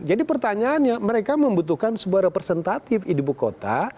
jadi pertanyaannya mereka membutuhkan sebuah representatif ibu kota